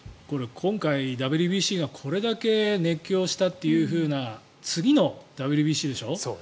今回、ＷＢＣがこれだけ熱狂したというふうな次のＷＢＣでしょう。